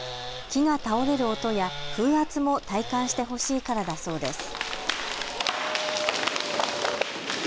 木が倒れる音や、風圧も体感してほしいからだそうです。